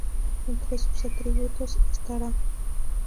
Entre sus atributos estaráː